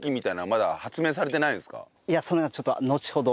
いやそれはちょっと後ほど。